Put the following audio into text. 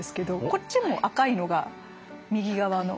こっちも赤いのが右側の。